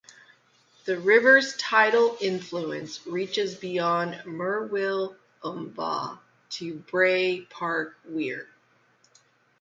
The river's tidal influence reaches beyond Murwillumbah to Bray Park Weir.